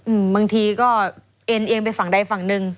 อืมบางทีก็เอ็นเองไปฝั่งใดฝั่งหนึ่ง